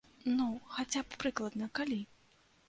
Ну, хаця б прыкладна, калі?